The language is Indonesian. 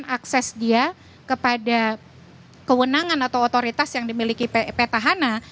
akses dia kepada kewenangan atau otoritas yang dimiliki petahana